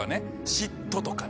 嫉妬とかね